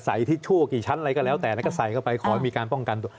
ทิชชู่กี่ชั้นอะไรก็แล้วแต่แล้วก็ใส่เข้าไปขอให้มีการป้องกันตัว